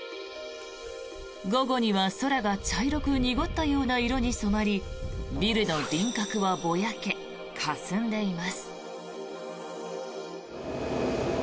午後には空が茶色く濁ったような色に染まりビルの輪郭はぼやけかすんでいます。